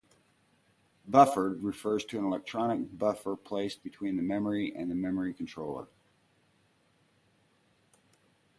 Buffered refers to an electronic buffer placed between the memory and the memory controller.